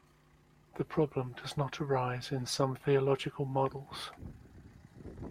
The problem does not arise in some theological models.